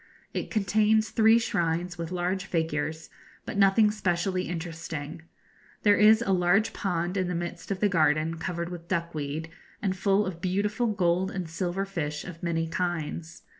It contains three shrines with large figures, but nothing specially interesting. There is a large pond in the midst of the garden, covered with duckweed, and full of beautiful gold and silver fish of many kinds.